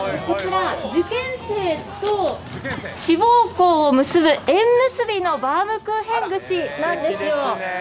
こちら受験生と志望校を結ぶ、縁結びのバウムクーヘン串なんですよ。